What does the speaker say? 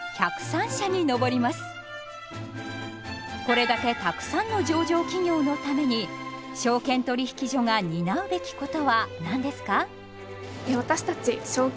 これだけたくさんの上場企業のために証券取引所が担うべきことは何ですか？